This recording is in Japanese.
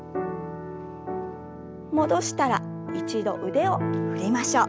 戻したら一度腕を振りましょう。